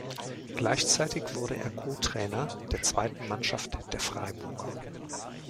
Gleichzeitig wurde er Co-Trainer der zweiten Mannschaft der Freiburger.